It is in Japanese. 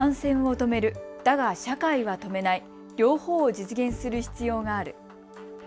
東京都の小池知事は感染を止める、だが社会は止めない両方を実現する必要がある。